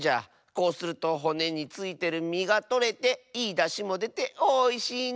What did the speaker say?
こうするとほねについてるみがとれていいだしもでておいしいんじゃよ。